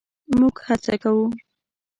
مونږ هڅه کوو